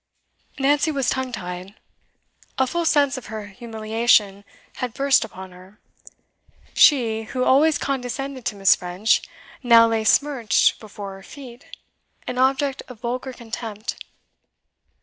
Nancy was tongue tied. A full sense of her humiliation had burst upon her. She, who always condescended to Miss. French, now lay smirched before her feet, an object of vulgar contempt.